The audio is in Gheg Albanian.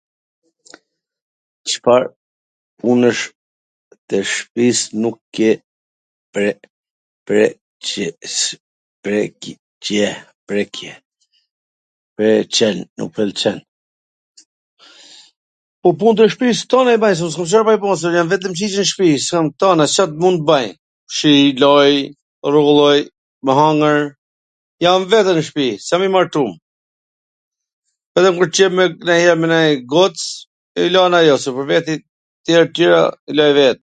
Cfar punwsh tw shpis nuk ke ... prekje... nuk pwlqen? Po punt e shpi t tana i baj se kush do i baj, se jam vetwm qyqja e shpis, them tana Ca mun t baj, fshij, laj, rrugulloj, me hangwr, jam vetwm nw shpi, s jam i martum, edhe kur t jem nanj her me nanj goc, lan ajo, se pwr veti tjerat i laj vet.